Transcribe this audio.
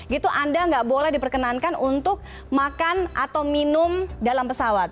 gitu anda nggak boleh diperkenankan untuk makan atau minum dalam pesawat